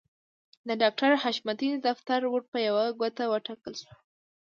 د ډاکټر حشمتي د دفتر ور په يوه ګوته وټکول شو.